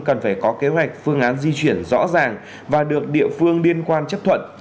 cần phải có kế hoạch phương án di chuyển rõ ràng và được địa phương liên quan chấp thuận